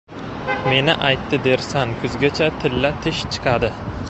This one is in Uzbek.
Meni aytdi dersan, kuzgacha tilla tish chiqadi.